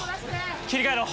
切り替えろ。